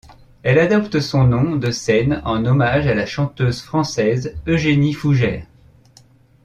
Elle adopte son nom de scène en hommage à la chanteuse française Eugénie Fougère.